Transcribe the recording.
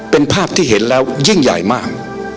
เป็นภาพที่เห็นแล้วยิ่งใหญ่มาก